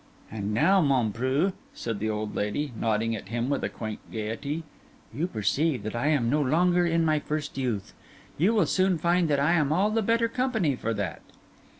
'And now, mon preux,' said the old lady, nodding at him with a quaint gaiety, 'you perceive that I am no longer in my first youth. You will soon find that I am all the better company for that.